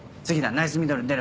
ナイスミドル出ろ！」。